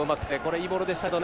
いいボールでしたけどね。